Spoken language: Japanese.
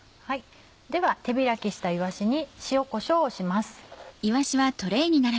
では手開きしたいわしに塩こしょうをします。